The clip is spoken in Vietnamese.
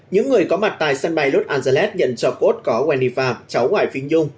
những người có mặt tại sân bay los angeles nhận cho cốt có wendy phạm cháu ngoại phi nhung